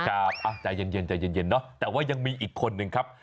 อ้าวใจเย็นเนอะแต่ว่ายังมีอีกคนหนึ่งครับ